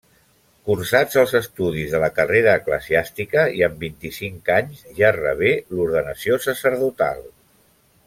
Cursats els estudis de la carrera eclesiàstica i amb vint-i-cinc anys ja, rebé l'ordenació sacerdotal.